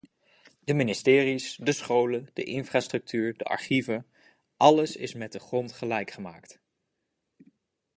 De ministeries, de scholen, de infrastructuur, de archieven, alles is met de grond gelijkgemaakt.